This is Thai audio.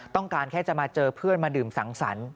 ต้องการแค่จะมาเจอเพื่อนมาดื่มสังสรรค์